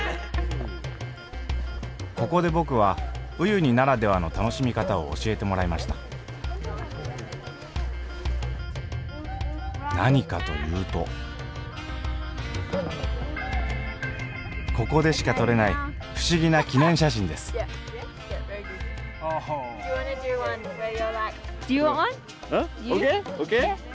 ここで僕はウユニならではの楽しみ方を教えてもらいました何かというとここでしか撮れない不思議な記念写真ですＯＫ？